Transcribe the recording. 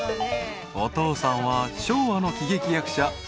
［お父さんは昭和の喜劇役者］